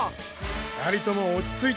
２人とも落ち着いて。